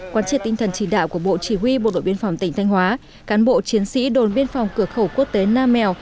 quán triệt tinh thần chỉ đạo của bộ chỉ huy bộ đội biên phòng tỉnh thanh hóa cán bộ chiến sĩ đồn biên phòng cửa khẩu quốc tế nam mèo